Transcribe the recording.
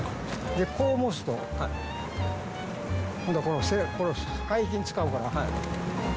こう持つと今度は背筋使うから。